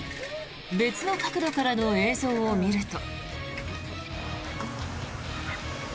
別の角度からの映像を見ると。